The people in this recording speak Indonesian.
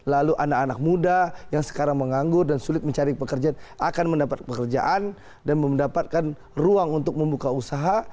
lalu anak anak muda yang sekarang menganggur dan sulit mencari pekerjaan akan mendapat pekerjaan dan mendapatkan ruang untuk membuka usaha